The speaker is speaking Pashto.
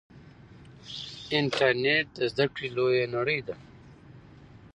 انټرنیټ د زده کړې لویه نړۍ ده.